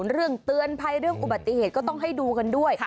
เรื่องเตือนภัยเรื่องอุบัติเหตุก็ต้องให้ดูกันด้วย